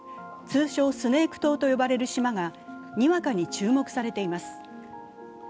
通称・スネーク島と呼ばれる島がにわかに注目されています。